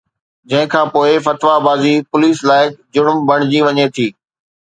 جنهن کان پوءِ فتويٰ بازي پوليس لائق جرم بڻجي وڃي ٿي